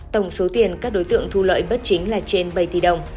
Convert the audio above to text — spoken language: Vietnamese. tổng số tiền các đối tượng thu lợi bất chính là trên bảy tỷ đồng